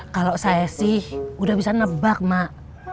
kalau saya sih udah bisa nebak mak